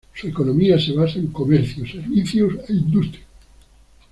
Su economía se basa en comercio, servicios e industria.